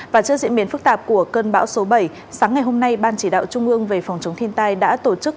và trước diễn biến phức tạp của cơn bão số bảy sáng ngày hôm nay ban chỉ đạo trung ương về phòng chống thiên tai đã tổ chức